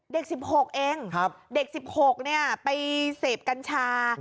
เด็กสิบหกเองเด็กสิบหกเนี่ยไปเสพกัญชา